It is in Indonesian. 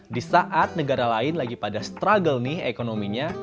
di saat negara lain lagi pada struggle nih ekonominya